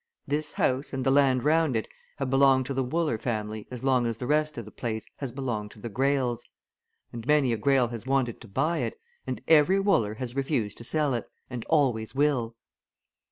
This house, and the land round it, have belonged to the Wooler family as long as the rest of the place has belonged to the Greyles. And many a Greyle has wanted to buy it, and every Wooler has refused to sell it and always will!"